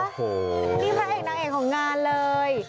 นี่พระเอกนางเอกของงานเลย